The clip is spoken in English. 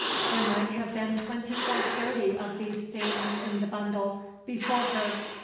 There might have been twenty or thirty of these themes in the bundle before her.